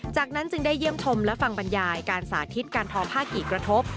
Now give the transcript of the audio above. จากนั้นจึงได้เยี่ยมชมและฟังบรรยายการสาธิตการทอผ้ากี่กระทบ